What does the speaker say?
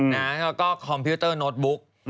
แล้วก็คอมพิวเตอร์โน้ตบุ๊ก